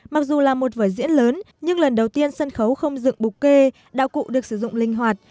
mặc dù là một vở diễn lớn nhưng lần đầu tiên sân khấu không dựng bục kê đạo cụ được sử dụng linh hoạt